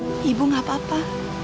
ibu gak apa apa